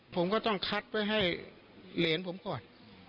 ผมก็ต้องคัดไว้ให้เหรียญผมก่อน